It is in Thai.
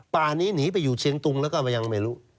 ป่านี้หนีไปอยู่เชียงตุงแล้วก็ยังไม่รู้